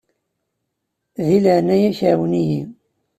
Di leɛnaya-k ɛawen-iyi.